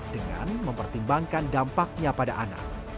dengan mempertimbangkan dampaknya pada anak